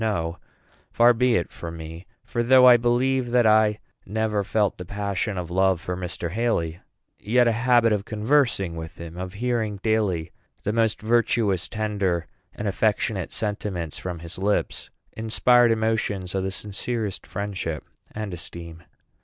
No; far be it from me; for though I believe that I never felt the passion of love for Mr. Haly, yet a habit of conversing with him, of hearing daily the most virtuous, tender, and affectionate sentiments from his lips, inspired emotions of the sincerest friendship and esteem.